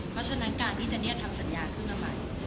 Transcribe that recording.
เพราะฉะนั้นการที่เจนี่ทำสัญญาขึ้นมาใหม่